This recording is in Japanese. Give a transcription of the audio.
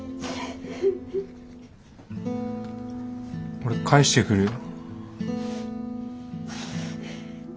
俺返してくるよ。